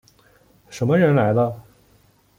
什么人来了？